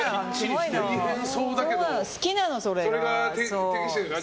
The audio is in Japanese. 好きなの、それが。